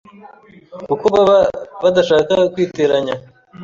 kuko baba badashaka kwiteranya